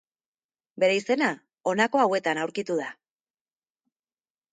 Bere izena, honako hauetan aurkitu da.